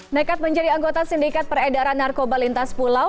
nekat menjadi anggota sindikat peredaran narkoba lintas pulau